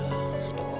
hati hati dong leda